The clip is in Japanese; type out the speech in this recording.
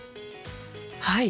はい！